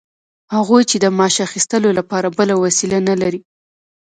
هغوی چې د معاش اخیستلو لپاره بله وسیله نلري